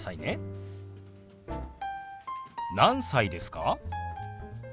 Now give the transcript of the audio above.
何歳ですか？